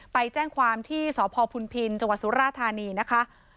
ไปแจ้งความที่สพพุนภินทร์จสุรธานีนะคะ